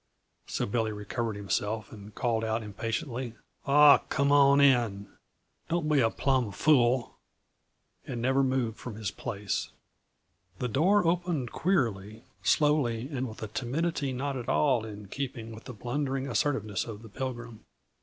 so Billy recovered himself and called out impatiently: "Aw, come on in! Don't be a plumb fool," and never moved from his place. The door opened queerly; slowly, and with a timidity not at all in keeping with the blundering assertiveness of the Pilgrim.